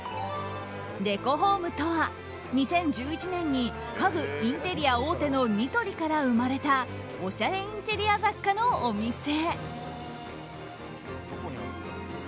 デコホームとは、２０１１年に家具・インテリア大手のニトリから生まれたおしゃれインテリア雑貨のお店。